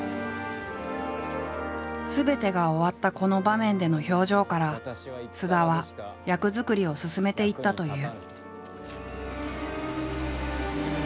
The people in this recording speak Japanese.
すべてが終わったこの場面での表情から菅田は役作りを進めていったという。